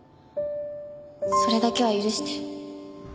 それだけは許して。